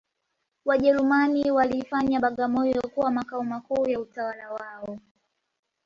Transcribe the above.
Wajerumani waliifanya bagamoyo kuwa makao makuu ya utawala wao